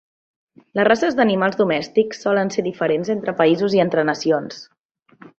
Les races d'animals domèstics solen ser diferents entre països i entre nacions.